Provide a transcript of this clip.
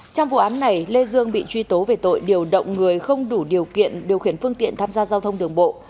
trong vụ án này lê dương bị truy tố về tội điều động người không đủ điều kiện điều khiển phương tiện tham gia giao thông đường bộ